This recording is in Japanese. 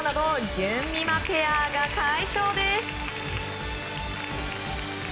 じゅんみまペアが快勝です。